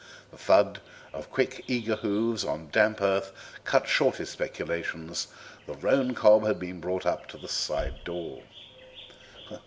The thud of quick, eager hoofs on damp earth cut short his speculations. The roan cob had been brought up to the side door.